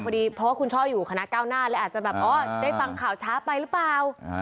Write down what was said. พอดีเพราะว่าคุณช่ออยู่คณะก้าวหน้าเลยอาจจะแบบอ๋อได้ฟังข่าวช้าไปหรือเปล่า